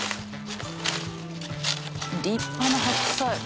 立派な白菜！